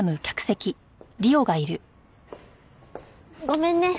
ごめんね。